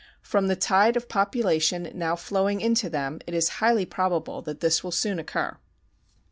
From the tide of population now flowing into them it is highly probable that this will soon occur.